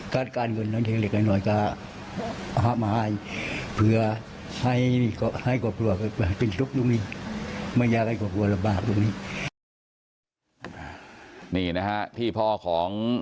การการคุณน้องเชียงเล็กให้หน่อยก็